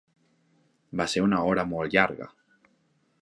Va ser una hora molt llarga.